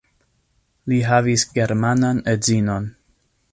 Li havis germanan edzinon.